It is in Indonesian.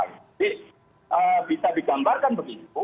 jadi bisa digambarkan begitu